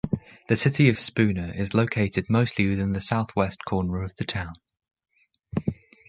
The City of Spooner is located mostly within the southwest corner of the town.